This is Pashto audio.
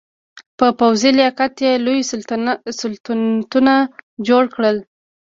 په پوځي لیاقت یې لوی سلطنتونه جوړ کړل.